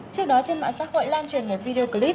trước đó trên mạng xã hội lan truyền về video clip